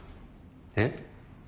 えっ？